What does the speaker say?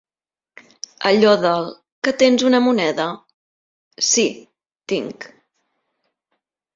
Allò del “que tens una moneda? sí, tinc”.